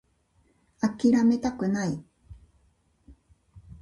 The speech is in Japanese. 諦めたくない